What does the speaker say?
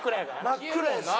真っ暗やし。